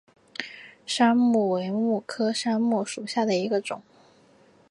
山蓼为蓼科山蓼属下的一个种。